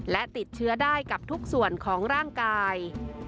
และติดเชื้อได้กับทุกส่วนของร่างกาย